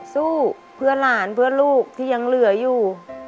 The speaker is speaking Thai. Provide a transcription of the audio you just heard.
สู้เพื่อหลานเพื่อลูกที่ยังเหลืออยู่